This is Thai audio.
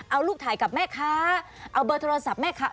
เอารูปถ่ายกับแม่ค้าเอาเบอร์โทรศัพท์แม่ค้า